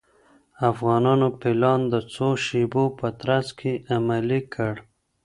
افغانانو پلان د څو شېبو په ترڅ کې عملي کړ.